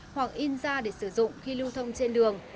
hoặc in ra để sử dụng khi lưu thông trên đường